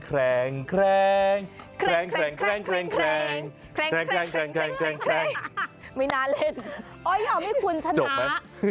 ไม่นานเล่นอย่ามีคุณชนะ